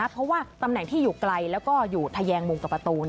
เพราะว่าตำแหน่งที่อยู่ไกลแล้วก็อยู่ทะแยงมุมกับประตู